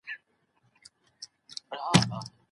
خلګو د نويو وسايلو د کارولو هڅې کولې.